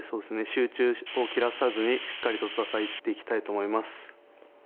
集中を切らさずにしっかりと戦っていきたいと思います。